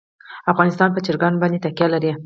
افغانستان په چرګان باندې تکیه لري.